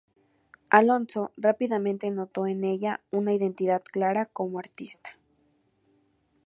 Alonso rápidamente notó en ella una identidad clara como artista.